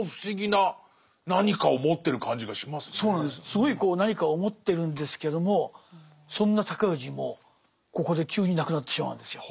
すごい何かを持ってるんですけどもそんな尊氏もここで急に亡くなってしまうんですよ。